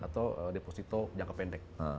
atau deposito jangka pendek